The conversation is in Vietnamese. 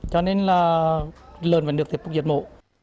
cho nên là lần vẫn được thiết phục giết mổ